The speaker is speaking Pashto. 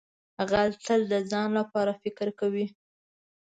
غل تل د ځان لپاره فکر کوي